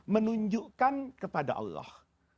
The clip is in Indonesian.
menunjukkan kepada allah